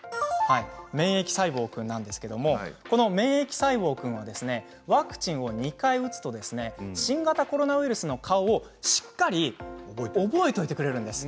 免疫細胞君なんですけれど免疫細胞君はワクチンを２回打つと新型コロナウイルスの顔しっかりと覚えておいてくれるんです。